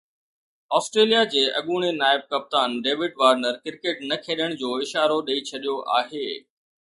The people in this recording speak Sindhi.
آسٽريليا جي اڳوڻي نائب ڪپتان ڊيوڊ وارنر ڪرڪيٽ نه کيڏڻ جو اشارو ڏئي ڇڏيو آهي